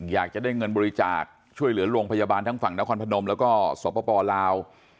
อยากจะได้เงินบริจาคช่วยเหลือโรงพยาบาลทั้งฝั่งนครพนมแล้วก็สปลาว